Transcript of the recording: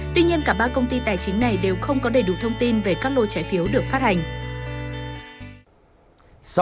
tuy nhiên cả ba công ty tài chính này đều không có đầy đủ thông tin về các lô trái phiếu được phát hành